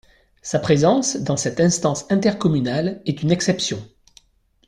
Sa présence, dans cette instance intercommunale, est une exception.